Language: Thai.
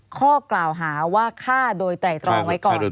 ข้อกล่าวหาว่าฆ่าโดยไตรตรองไว้ก่อน